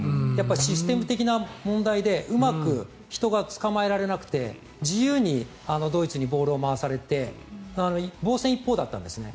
システム的な問題でうまく人が捕まえられなくて自由にドイツにボールを回されて防戦一方だったんですね。